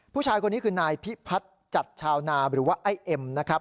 ผู้ชายคนนี้คือนายพิพัฒน์จัดชาวนาหรือว่าไอ้เอ็มนะครับ